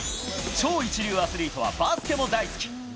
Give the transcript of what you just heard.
超一流アスリートはバスケも大好き。